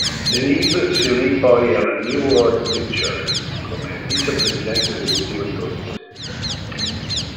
Denise si unì poi alla New World Pictures come vicepresidente esecutivo di produzione.